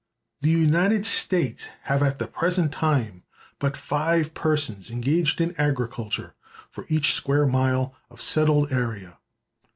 "The United States have at the present time but five persons engaged in agriculture for each square mile of settled area."